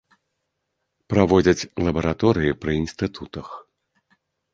Праводзяць лабараторыі пры інстытутах.